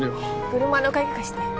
車の鍵貸して。